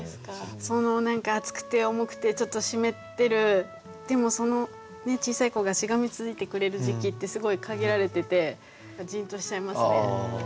その何か熱くて重くてちょっと湿ってるでもその小さい子がしがみついてくれる時期ってすごい限られててじんとしちゃいますね。